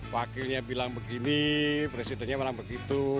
wakilnya bilang begini presidennya bilang begitu